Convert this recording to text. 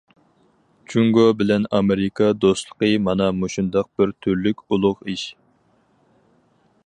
جۇڭگو بىلەن ئامېرىكا دوستلۇقى مانا مۇشۇنداق بىر تۈرلۈك ئۇلۇغ ئىش.